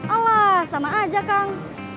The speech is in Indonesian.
alah sama aja kang